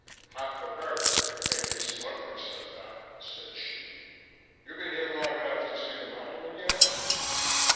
"Hot for Bert if they think he's smuggling stuff out," said Hsi. "You been here long enough to see the Monument yet?"